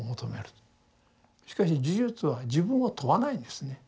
しかし呪術は自分を問わないんですね。